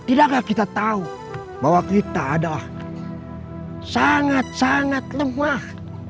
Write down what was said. tidakkah kita tahu bahwa kita adalah sangat sangat lemah